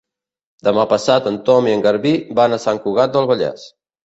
Demà passat en Ton i en Garbí van a Sant Cugat del Vallès.